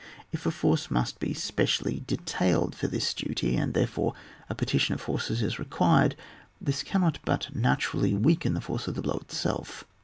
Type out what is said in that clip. If a force must be specially detailed for this duty, and therefore a partition of forces is required, this cannot but natu rally weaken the force of the blow itself.